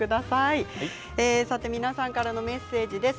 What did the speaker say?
皆さんからのメッセージです。